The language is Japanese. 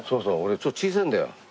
ちょっと小せえんだよ。